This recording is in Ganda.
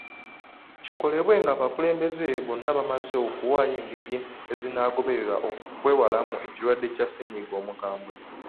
Kikolebwe nga abakulembeze bonna bamaze okuwaayo engeri ezinagobererwa okwewala ekirwadde kya ssennyiga omukambwe.